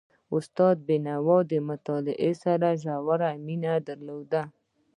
استاد بينوا د مطالعې سره ژوره مینه درلودله.